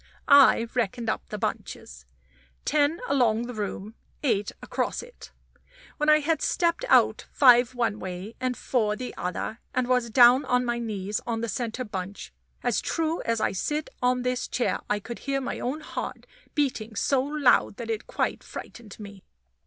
I reckoned up the bunches. Ten along the room eight across it. When I had stepped out five one way and four the other, and was down on my knees on the center bunch, as true as I sit on this chair I could hear my own heart beating so loud that it quite frightened me.